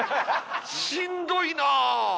しんどいなあ！